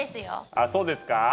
あっそうですか？